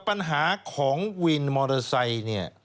ปัญหาของวินมอเตอร์ไซค์